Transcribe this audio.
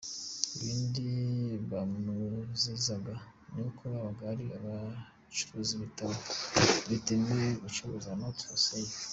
Ikindi bamuzizaga ni uko yabaga ari gucuruza ibitabo bitemewe gucuruzwa’ Not for sale’.